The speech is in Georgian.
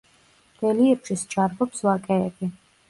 რელიეფში სჭარბობს ვაკეები.